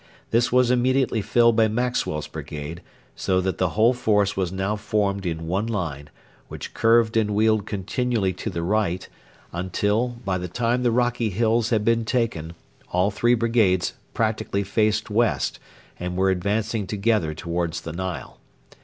This was immediately filled by Maxwell's brigade, so that the whole force was now formed in one line, which curved and wheeled continually to the right until, by the time the rocky hills had been taken, all three brigades practically faced west and were advancing together towards the Nile.